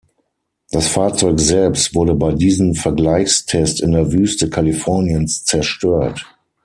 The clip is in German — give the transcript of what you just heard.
Das Fahrzeug selbst wurde bei diesen Vergleichstests in der Wüste Kaliforniens zerstört.